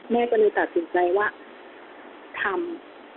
แม่ก็เลยตัดสินใจว่าทำ